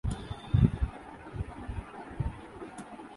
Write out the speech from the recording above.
جیسا کہ ہم جانتے ہیں۔